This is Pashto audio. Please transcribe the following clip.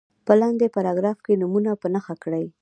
په لاندې پاراګراف کې نومونه په نښه کړي.